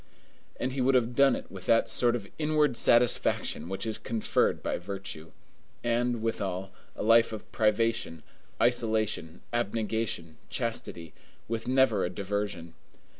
And he would have done it with that sort of inward satisfaction which is conferred by virtue. And, withal, a life of privation, isolation, abnegation, chastity, with never a diversion.